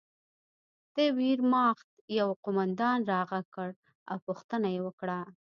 د ویرماخت یوه قومندان را غږ کړ او پوښتنه یې وکړه